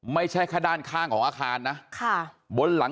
ไม่ใช่แค่ด้านข้างของอาคารนะ